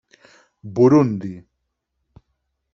Burundi.